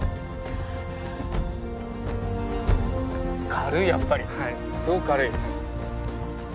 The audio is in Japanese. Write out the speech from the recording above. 軽いやっぱりすごく軽い。